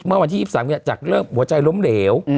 เมื่อวันที่๒๓จากเริ่มหัวใจล้มเหลว